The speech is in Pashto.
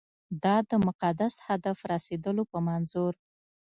دا د مقدس هدف رسېدلو په منظور.